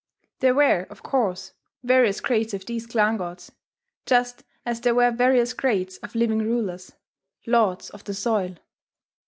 There were, of course, various grades of these clan gods, just as there were various grades of living rulers, lords of the soil.